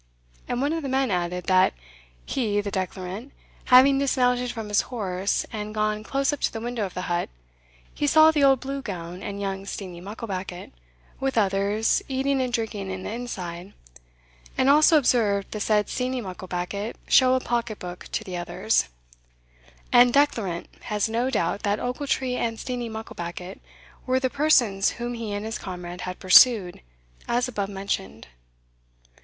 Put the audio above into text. And one of the men added, that "he, the declarant, having dismounted from his horse, and gone close up to the window of the hut, he saw the old Blue Gown and young Steenie Mucklebackit, with others, eating and drinking in the inside, and also observed the said Steenie Mucklebackit show a pocket book to the others; and declarant has no doubt that Ochiltree and Steenie Mucklebackit were the persons whom he and his comrade had pursued, as above mentioned."